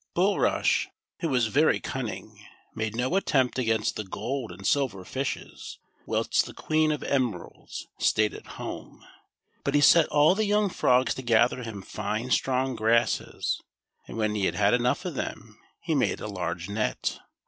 Bulrush, who was very cunning, made no attempt against the gold and silver fishes, whilst the Queen of Emeralds stayed at home ; but he set all the young frogs to gather him fine strong grasses, and when he had enough of them he made a large net.